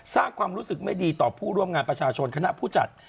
สร้างความรู้สึกไม่ดีต่อผู้ร่วมงานประชาชนคณะผู้จัด